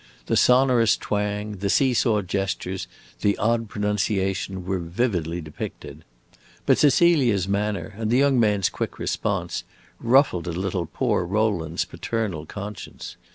The sonorous twang, the see saw gestures, the odd pronunciation, were vividly depicted. But Cecilia's manner, and the young man's quick response, ruffled a little poor Rowland's paternal conscience.